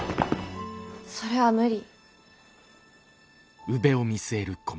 それは無理。